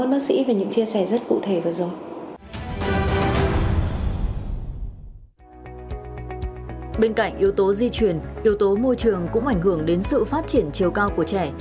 bên cạnh yếu tố di truyền yếu tố môi trường cũng ảnh hưởng đến sự phát triển chiều cao của trẻ